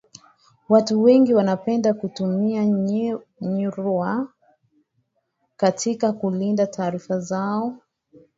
watu wengi wanapenda kutumia nywira katika kulinda taarifa zao